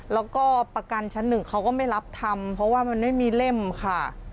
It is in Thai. แล้วก็ประกันชั้นหนึ่งเขาก็ไม่รับทำเพราะว่ามันไม่มีเล่มค่ะ